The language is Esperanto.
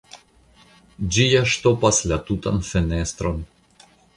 Ĝi ja ŝtopas la tutan fenestron.